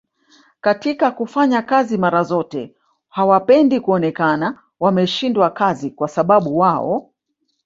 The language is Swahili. katika kufanya kazi mara zote hawapendi kuonekana wameshindwa kazi kwasababu wao